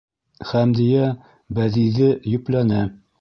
Хәмдиә Бәҙиҙе йөпләне: